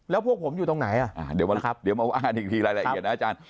แล้วพวกผมอยู่ตรงไหนอ่ะเดี๋ยวมาว่ากันอีกทีรายละเอียดนะอาจารย์